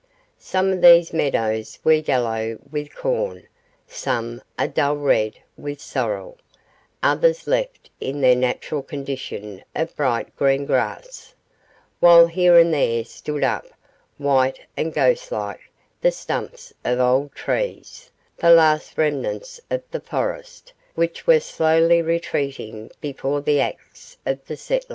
Some of these meadows were yellow with corn some a dull red with sorrel, others left in their natural condition of bright green grass while here and there stood up, white and ghost like, the stumps of old trees, the last remnants of the forests, which were slowly retreating before the axe of the settler.